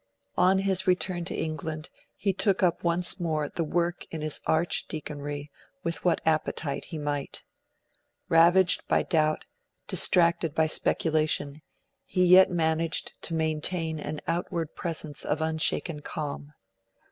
On his return to England, he took up once more the work in his Archdeaconry with what appetite he might. Ravaged by doubt, distracted by speculation, he yet managed to maintain an outward presence of unshaken calm.